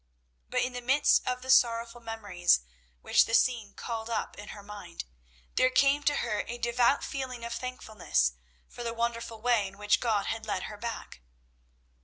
But in the midst of the sorrowful memories which the scene called up in her mind, there came to her a devout feeling of thankfulness for the wonderful way in which God had led her back.